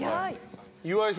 岩井さん